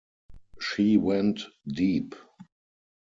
She went deep.